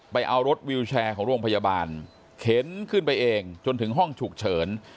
ไปเอารถวิวแชร์ของโรงพยาบาลเข็นขึ้นไปเองจนถึงห้องฉุกเฉิน